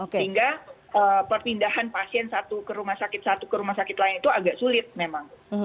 sehingga perpindahan pasien satu ke rumah sakit satu ke rumah sakit lain itu agak sulit memang